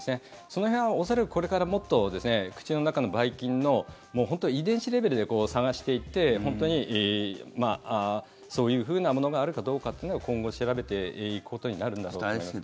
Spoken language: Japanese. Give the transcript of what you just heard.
その辺は恐らくこれからもっと口の中のばい菌の本当に遺伝子レベルで探していって本当にそういうふうなものがあるかどうかというのは今後、調べていくことになるんだろうと思います。